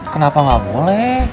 kenapa gak boleh